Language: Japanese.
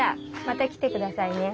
また来てくださいね。